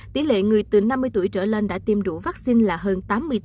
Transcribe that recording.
tỷ lệ người từ năm mươi tuổi trở lên đã tiêm đủ vaccine là hơn tám mươi tám